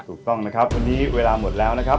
ถูกต้องนะครับวันนี้เวลาหมดแล้วนะครับ